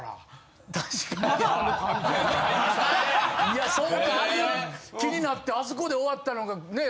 いやそうかあれ気になってあそこで終わったのがね